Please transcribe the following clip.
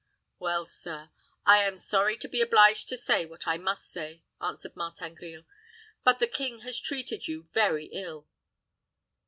"Well, sir, I am sorry to be obliged to say what I must say," answered Martin Grille; "but the king has treated you very ill.